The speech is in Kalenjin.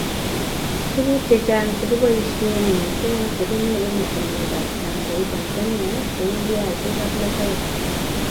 Tuguk chechang che kiboisiei missing chebunu emotinwekab sang kou Tanzania cheu viasik ak logoek